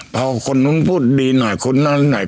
พอคนนู้นพูดดีหน่อยคนนั้นหน่อย